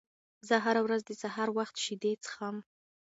زه هره ورځ د سهار وخت شیدې څښم.